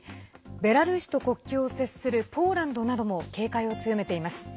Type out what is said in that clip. ベラルーシと国境を接するポーランドなども警戒を強めています。